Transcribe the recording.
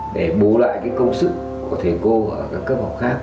để bù lại công sức của thầy cô ở các cấp học khác